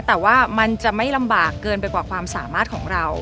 แต่ว่ามันจะไม่ลำบากเกินไปกว่าความสามารถของเรา